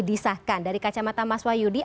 disahkan dari kacamata mas wahyudi